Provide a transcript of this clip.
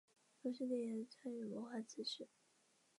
卢师谛也参与谋划此事。